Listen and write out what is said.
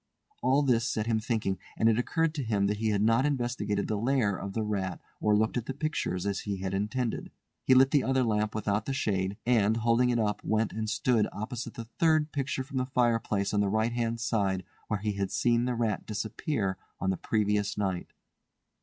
All this set him thinking, and it occurred to him that he had not investigated the lair of the rat or looked at the pictures, as he had intended. He lit the other lamp without the shade, and, holding it up went and stood opposite the third picture from the fireplace on the right hand side where he had seen the rat disappear on the previous night.